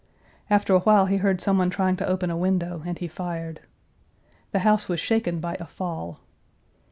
After a while he heard some one trying to open a window and he fired. The house was shaken by a fall.